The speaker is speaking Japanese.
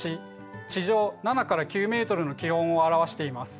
地上７９ｍの気温を表しています。